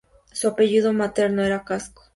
Su apellido materno era Casco.